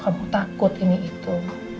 kamu takut ini itu